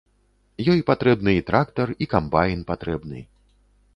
Ёй патрэбны і трактар, і камбайн патрэбны.